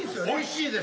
おいしい？